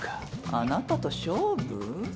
あなたと勝負？